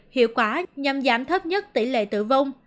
hiệu quả nhằm giảm thấp nhất tỷ lệ tử vong